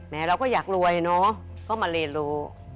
เราก็อยากรวยเนอะก็มาเรียนรู้